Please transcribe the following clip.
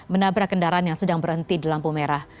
menabrak kendaraan yang sedang berhenti di lampu merah